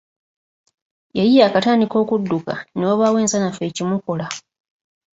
Yali yaakatandika okudduka ne wabaawo ensanafu ekimukola.